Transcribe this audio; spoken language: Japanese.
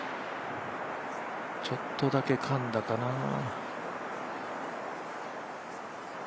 ちょっとだけかんだかな。